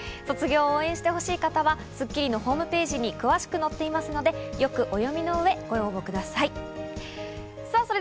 卒業を応援してほしい方は『スッキリ』のホームページに詳しく載っていますので、よくお読みの上ご応募ください。